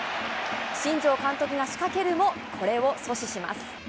新庄監督が仕掛けるも、これを阻止します。